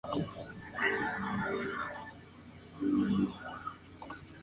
La Junta en Los Ángeles desconoció los tratados y continuó con las actividades guerrilleras.